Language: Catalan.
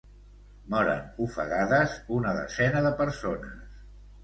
Moren ofegades una desena de persones.